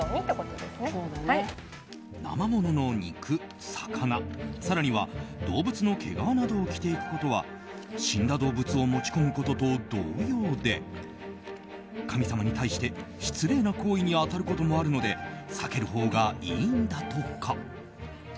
生ものの肉、魚更には動物の毛皮などを着ていくことは死んだ動物を持ち込むことと同様で神様に対して失礼な行為に当たることもあるので避けるほうがいいんだとか。